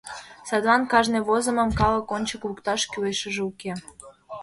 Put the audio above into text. Садлан кажне возымым калык ончык лукташ кӱлешыже уке.